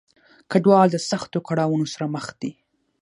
کډوال د سختو کړاونو سره مخ دي.